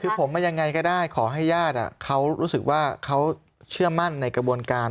คือผมมายังไงก็ได้ขอให้ญาติเขารู้สึกว่าเขาเชื่อมั่นในกระบวนการ